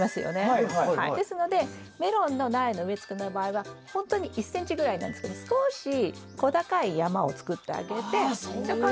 ですのでメロンの苗の植え付けの場合はほんとに１ｃｍぐらいなんですけど少し小高い山を作ってあげてそこに植え付ける。